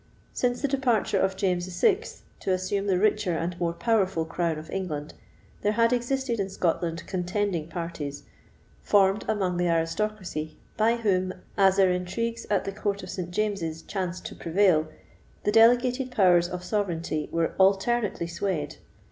Since the departure of James VI. to assume the richer and more powerful crown of England, there had existed in Scotland contending parties, formed among the aristocracy, by whom, as their intrigues at the court of St. James's chanced to prevail, the delegated powers of sovereignty were alternately swayed.